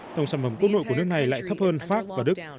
tổng sản phẩm quốc nội của nước này lại thấp hơn pháp và đức